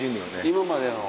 今までの。